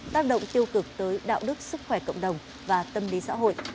tác động tiêu cực tới đạo đức sức khỏe cộng đồng và tâm lý xã hội